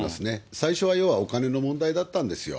最初は要はお金の問題だったんですよ。